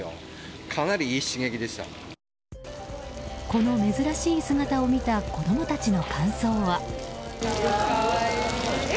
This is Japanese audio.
この珍しい姿を見た子供たちの感想は。